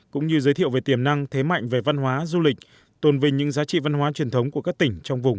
cũng như giới thiệu về tiềm năng thế mạnh về văn hóa du lịch tồn vinh những giá trị văn hóa truyền thống của các tỉnh trong vùng